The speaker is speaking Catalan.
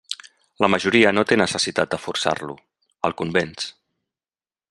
La majoria no té necessitat de forçar-lo; el convenç.